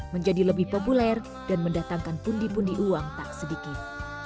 menjadi lebih populer dan mendatangkan pundi pundi uang tak sedikit